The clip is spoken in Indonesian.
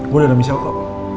gue udah damai siapa